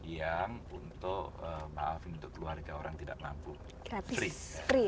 yang untuk maafin untuk keluarga orang tidak mampu free